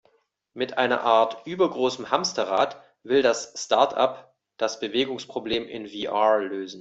Mit einer Art übergroßem Hamsterrad, will das Startup das Bewegungsproblem in VR lösen.